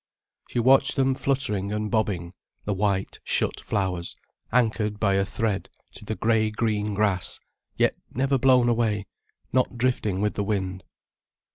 She watched them fluttering and bobbing, the white, shut flowers, anchored by a thread to the grey green grass, yet never blown away, not drifting with the wind.